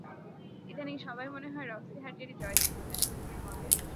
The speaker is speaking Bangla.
ইদানীং সবাই মনে হয় রক্সি হার্টেরই জয় দেখতে চান!